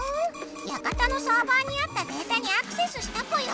やかたのサーバーにあったデータにアクセスしたぽよ。